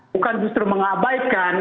bukan justru mengabaikan